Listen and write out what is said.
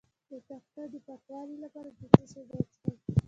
د تخه د پاکوالي لپاره د څه شي اوبه وڅښم؟